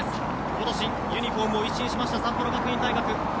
今年、ユニホームを一新した札幌学院大学。